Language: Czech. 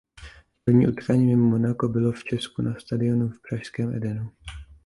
První utkání mimo Monako bylo v Česku na stadionu v pražském Edenu.